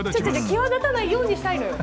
際立たないようにしたいのよ。